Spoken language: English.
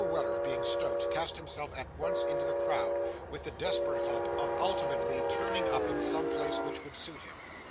Weller, being stout, cast himself at once into the crowd, with the desperate hope of ultimately turning up in some place which would suit him.